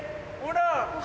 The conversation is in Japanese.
ほら！